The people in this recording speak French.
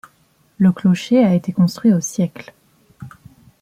Le clocher a été construit au siècle.